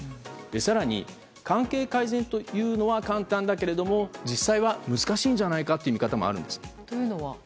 更に、関係改善というのは簡単だけれども実際は難しいんじゃないかという見方もあるんです。